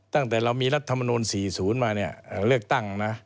ตั้งแต่เรามีรัฐมนตร์๔๐มาเลือกตั้งนะ